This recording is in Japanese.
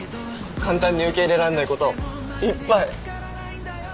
簡単に受け入れらんないこといっぱい。